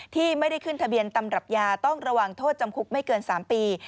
ที่ไม่ได้ขึ้นทะเบียนตำรับยาต้องระวังโทษจำคุกไม่เกิน๓ปี